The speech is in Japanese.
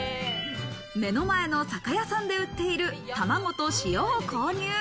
目の前の酒屋さんで売っている卵と塩を購入。